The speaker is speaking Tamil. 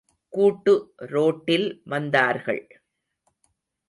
கூட்டு ரோட்டில் வந்தார்கள்.